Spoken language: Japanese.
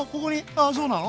ああそうなの？